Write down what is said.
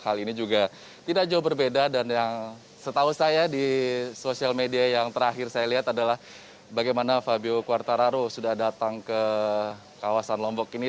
hal ini juga tidak jauh berbeda dan yang setahu saya di sosial media yang terakhir saya lihat adalah bagaimana fabio quartararo sudah datang ke kawasan lombok ini